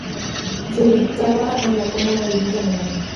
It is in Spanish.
Se ubicaba en la comuna de Villa Alemana.